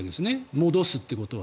戻すということは。